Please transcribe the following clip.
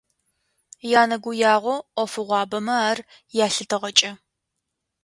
Енэгуягъо ӏофыгъуабэмэ ар ялъытыгъэкӏэ.